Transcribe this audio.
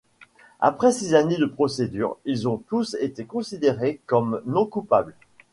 Après six années de procédures, ils ont tous été considérés comme non coupable.